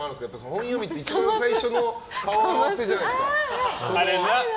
本読みって、一番最初の顔合わせじゃないですか。